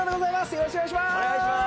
よろしくお願いします！